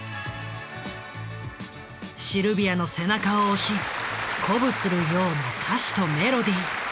シルビアの背中を押し鼓舞するような歌詞とメロディー。